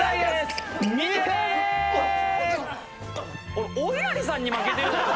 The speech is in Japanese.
俺おいなりさんに負けてるじゃん。